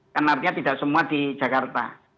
kan artinya tidak semua di jakarta